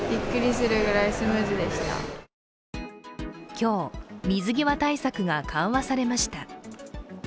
今日、水際対策が緩和されました。